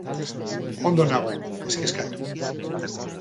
Ondo nago, ez kezkatu.